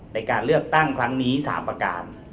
ในการเลือกตั้งครั้งนี้๓ประการ